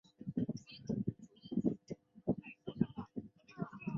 阿塔罗斯柱廊兴建。